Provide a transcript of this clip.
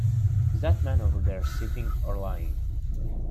Is that man over there sitting or lying?